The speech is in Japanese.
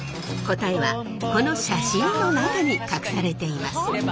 答えはこの写真の中に隠されています。